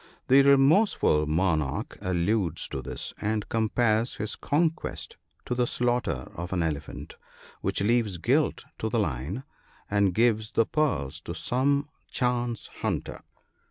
The remorseful monarch alludes to this, and compares his conquest to the slaughter of an elephant, which leaves guilt to the lion, and gives the pearls to some chance hunter.